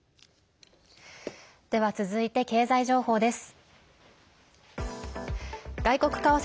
では、続いて経済情報です。